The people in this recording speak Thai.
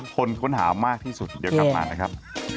คนค้นหามากที่สุดเดี๋ยวกลับมานะครับ